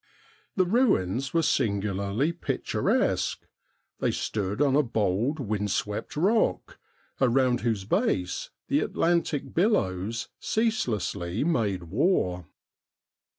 The ruins were singularly picturesque. They stood on a bold wind swept rock, around whose base the Atlantic billows ceaselessly made war.